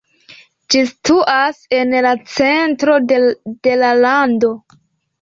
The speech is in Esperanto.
Ĝi situas en la centro de la lando.